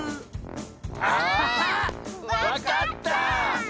あわかった！